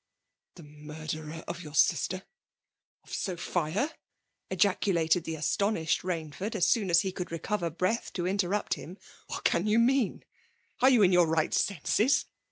" The murderer of your sister, — of Sophia T ejaculated the astonished Bainsford, as soon as he could recover breath to interrupt hinu '' What can you mean? Are you in your right senses